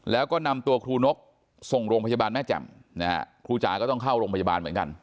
แล้วก็นำตัวครูนกส่งโรงพยาบาลแม่แจ่มนะฮะครูจ๋าก็ต้องเข้าโรงพยาบาลเหมือนกัน